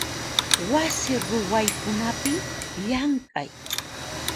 Wasi ruwaykunapi llamk'ay.